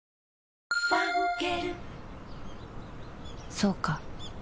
そうか